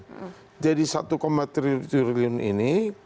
apa yang diperlukan untuk penggunaan penggunaan peralatan peralatan ini